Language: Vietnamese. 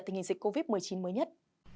tình hình dịch covid một mươi chín mới nhất